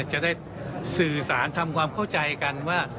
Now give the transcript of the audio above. จะได้สื่อสารทำความเข้าใจกันว่า